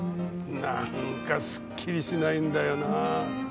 なんかすっきりしないんだよなぁ。